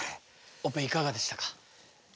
オペいかがでしたか？